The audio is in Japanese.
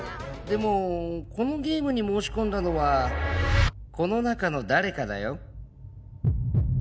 でもこのゲームに申し込んだのはこの中の誰かだよ。